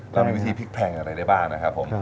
แล้วมีวิธีพลิกแพงอะไรได้บ้างนะครับผม